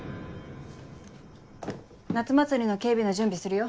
夏祭りの警備の準備するよ。